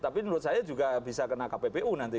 tapi menurut saya juga bisa kena kppu nanti